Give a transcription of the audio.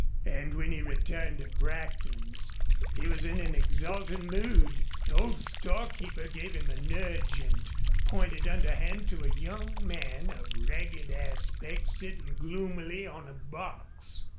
And when he returned to Brackton's he was in an exultant mood. The old storekeeper gave him a nudge and pointed underhand to a young man of ragged aspect sitting gloomily on a box.